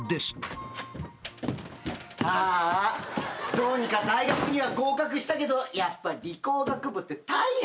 どうにか大学には合格したけどやっぱ理工学部って大変。